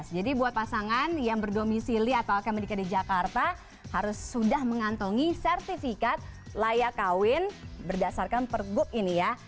jadi buat pasangan yang berdomisili atau kemerdekade jakarta harus sudah mengantongi sertifikat layak kawin berdasarkan pergub ini ya